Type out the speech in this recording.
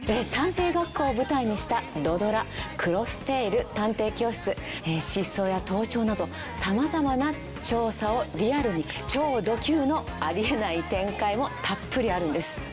探偵学校を舞台にした土ドラ『クロステイル探偵教室』失踪や盗聴など様々な調査をリアルに超ド級のありえない展開もたっぷりあるんです。